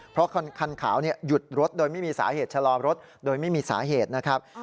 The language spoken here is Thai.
เพราะคันขาวหยุดรถโดยไม่มีสาเหตุชะลอรถโดยไม่มีสาเหตุนะครับ